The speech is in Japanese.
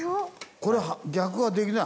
これ逆はできない？